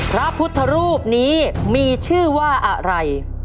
พระพุทธรูปนี้มีชื่อว่าอะไร